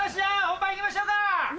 本番行きましょうか。